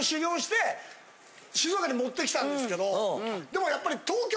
でもやっぱり。